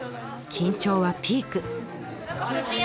緊張はピーク！